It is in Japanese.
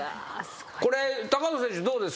これ藤選手どうですか？